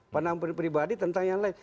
pandangan pribadi tentang yang lain